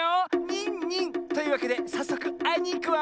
ニンニン！というわけでさっそくあいにいくわ。